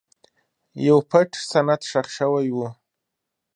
یو پټ سند ښخ شوی و.